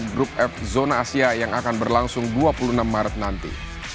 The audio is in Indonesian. grup f zona asia yang akan berlangsung dua puluh enam maret nanti